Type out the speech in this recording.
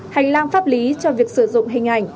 hành lang pháp lý cho việc sử dụng hình ảnh